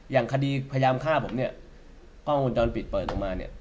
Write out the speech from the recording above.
อย่างคดีพยายามฆ่าผมเนี่ยกล้องวงจรปิดเปิดลงมาเนี่ย